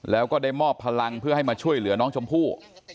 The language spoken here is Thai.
แล้วก็ได้มอบพลังเพื่อให้มาช่วยเหลือน้องชมพู่